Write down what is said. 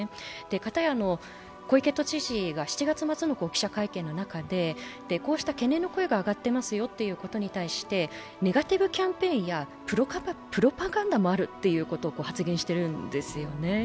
方や、小池都知事が７月末の記者会見の中でこうした懸念の声が上がっていますよという質問の中でネガティブキャンペーンやプロパガンダもあると発言しているんですね。